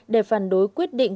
để phản đối quyết định